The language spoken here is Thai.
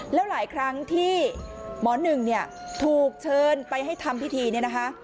แล้วหลายครั้งที่หมอหนึ่งเนี่ยถูกเชิญไปให้ทำพิธีเนี่ยนะคะ